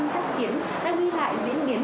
phát triển đã ghi lại diễn biến